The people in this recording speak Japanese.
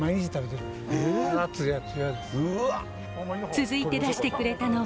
続いて出してくれたのは。